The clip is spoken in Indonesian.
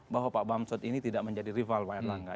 bahwa pak bamsud ini tidak menjadi rival wairlangga